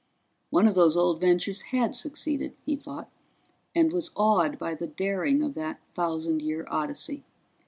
One of those old ventures had succeeded, he thought, and was awed by the daring of that thousand year odyssey.